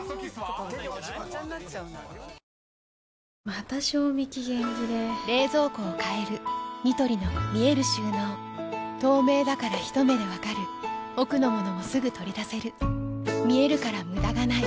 また賞味期限切れ冷蔵庫を変えるニトリの見える収納透明だからひと目で分かる奥の物もすぐ取り出せる見えるから無駄がないよし。